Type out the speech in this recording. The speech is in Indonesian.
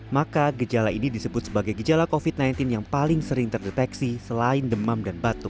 maka gejala ini disebut sebagai gejala covid sembilan belas yang paling sering terdeteksi selain demam dan batuk